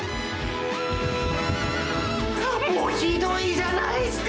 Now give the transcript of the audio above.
もうひどいじゃないっすか！